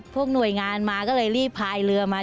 หน่วยงานมาก็เลยรีบพายเรือมา